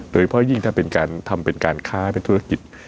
โดยเฉพาะยิ่งถ้าทำเป็นการค้าเป็นธุรกิจ